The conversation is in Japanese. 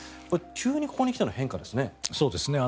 急にここに来ての変化ですね。